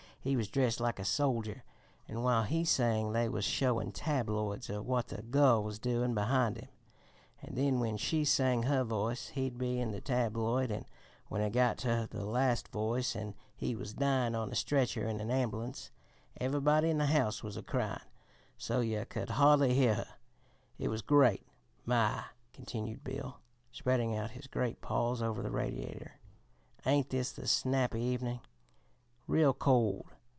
He was dressed like a soldier, an' while he sang they was showin' tabloids o' what the goil was a doin' behind him; an' then when she sang her voise he'd be in the tabloid, an' when it got ter the last voise, an' he was dyin' on a stretcher in a ambulance, everybody in the house was a cryin' so yer could hardly hear her. It was great! My!" continued Bill, spreading out his great paws over the radiator, "ain't this the snappy evenin'? Real cold.